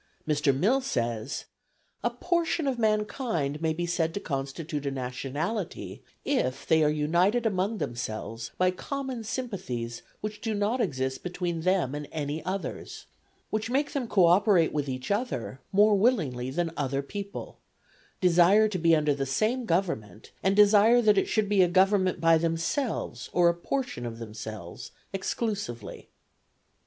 Mr. Mill says, "a portion of mankind may be said to constitute a nationality if they are united among themselves by common sympathies which do not exist between them and any others; which make them co operate with each other more willingly than other people; desire to be under the same government, and desire that it should be a government by themselves or a portion of themselves exclusively."